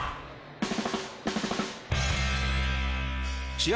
試合